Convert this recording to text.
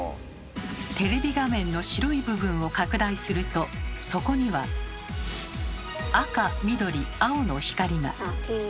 テレビ画面の白い部分を拡大するとそこには赤緑青の光が。